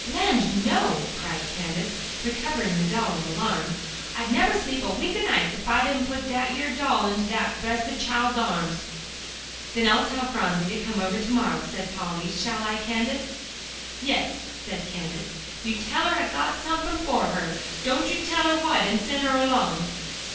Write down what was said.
"Land, no!" cried Candace, recovering the doll in alarm; "I'd never sleep a week o' nights ef I didn't put dat yere doll into dat bressed child's arms." "Then I'll tell Phronsie to come over to morrow," said Polly. "Shall I, Candace?" "Yes," said Candace, "you tell her I got somefin' fer her; don't you tell her what, an' send her along."